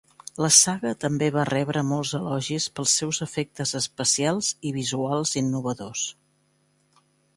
La saga també va rebre molts elogis pels seus efectes especials i visuals innovadors.